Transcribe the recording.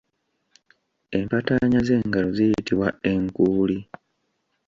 Empataanya z’engalo ziyitibwa enkuuli.